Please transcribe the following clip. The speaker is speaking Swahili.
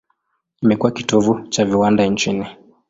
Imekuwa kitovu cha viwanda nchini.